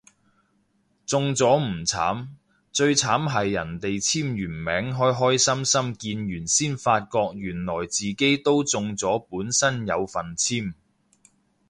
中咗唔慘，最慘係人哋簽完名開開心心見完先發覺原來自己都中咗本身有份簽